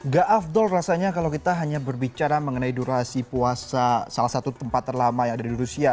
gak afdol rasanya kalau kita hanya berbicara mengenai durasi puasa salah satu tempat terlama yang ada di rusia